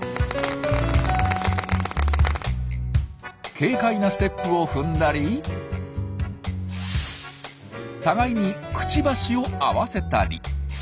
軽快なステップを踏んだり互いにくちばしを合わせたり。